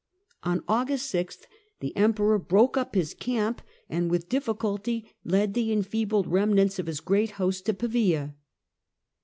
On August 6th the Emperor broke up his camp, and with difficulty led the enfeebled remnants of his great host to Pavia.